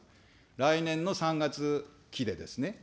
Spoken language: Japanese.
来年の３月期でですね。